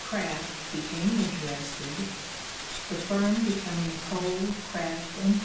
Craft became interested, the firm becoming Cole, Craft & Co.